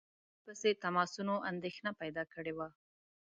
پرله پسې تماسونو اندېښنه پیدا کړې وه.